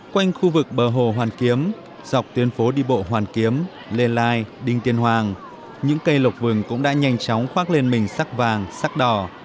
quanh khu vực bờ hồ hoàn kiếm dọc tuyến phố đi bộ hoàn kiếm lê lai đinh tiên hoàng những cây lộc vườn cũng đã nhanh chóng khoác lên mình sắc vàng sắc đỏ